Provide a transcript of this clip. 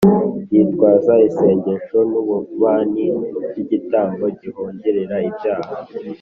yitwaza isengesho n’ububani by’igitambo gihongerera ibyaha,